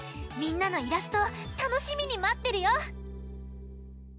みんなのイラストたのしみにまってるよ！